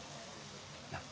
なっ？